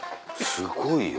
すごいよ。